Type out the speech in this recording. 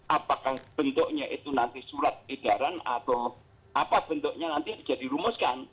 apakah bentuknya itu nanti surat edaran atau apa bentuknya nanti bisa dirumuskan